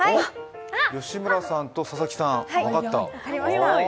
吉村さんと佐々木さん、分かった？